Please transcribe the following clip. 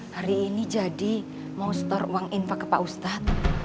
hari ini jadi mau store uang infak ke pak ustadz